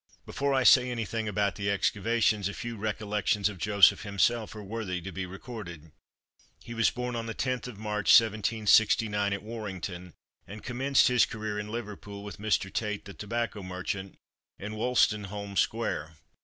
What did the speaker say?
Before I say anything about the excavations, a few "Recollections" of Joseph himself are worthy to be recorded. He was born on the 10th of March, 1769, at Warrington, and commenced his career in Liverpool, with Mr. Tate the tobacco merchant, in Wolstenholme square.